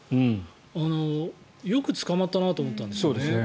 よく捕まったなと思ったんですよね。